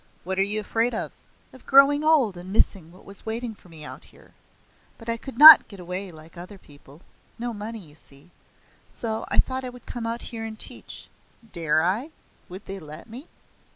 "What were you afraid of?" "Of growing old and missing what was waiting for me out here. But I could not get away like other people. No money, you see. So I thought I would come out here and teach. Dare I? Would they let me?